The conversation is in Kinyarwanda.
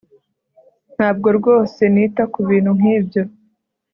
Ntabwo rwose nita kubintu nkibyo